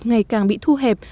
ngày càng bị thu hẹp